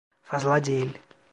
Fazla değil.